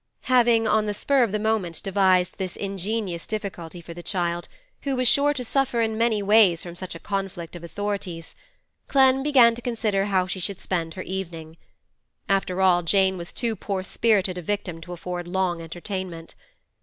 Having on the spur of the moment devised this ingenious difficulty for the child, who was sure to suffer in many ways from such a conflict of authorities, Clem began to consider how she should spend her evening. After all, Jane was too poor spirited a victim to afford long entertainment.